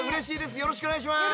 よろしくお願いします。